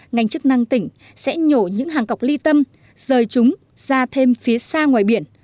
ngành chức năng tỉnh sẽ nhổ những hàng cọc ly tâm rời chúng ra thêm phía xa ngoài biển